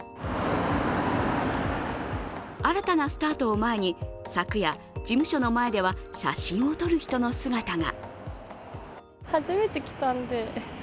新たなスタートを前に昨夜、事務所の前では写真を撮る人の姿が。